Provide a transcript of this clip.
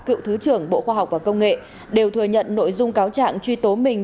cựu thứ trưởng bộ khoa học và công nghệ đều thừa nhận nội dung cáo trạng truy tố mình